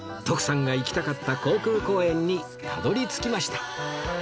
徳さんが行きたかった航空公園にたどり着きました